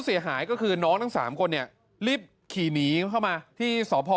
เสียหายก็คือน้องทั้งสามคนเนี่ยรีบขี่หนีเข้ามาที่สพ